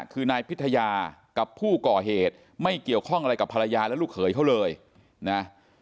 คือนายพิทยากับผู้ก่อเหตุไม่เกี่ยวข้องอะไรกับภรรยาและลูกเขยเขาเลยนะ